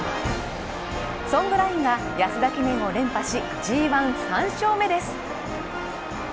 ソングラインが安田記念を連覇しＧⅠ３勝目です。